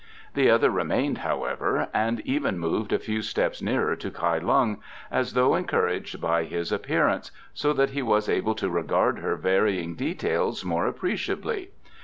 The other remained, however, and even moved a few steps nearer to Kai Lung, as though encouraged by his appearance, so that he was able to regard her varying details more appreciably.